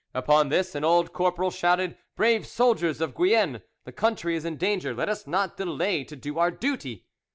Upon this an old corporal shouted, "Brave soldiers of Guienne! the country is in danger, let us not delay to do our duty."